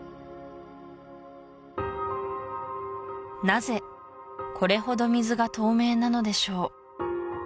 なぜこれほど水が透明なのでしょう？